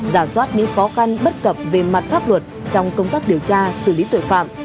giả soát những khó khăn bất cập về mặt pháp luật trong công tác điều tra xử lý tội phạm